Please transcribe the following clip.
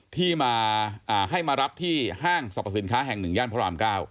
ที่มาให้มารับที่ห้างสรรพสินค้าแห่ง๑ย่านพระราม๙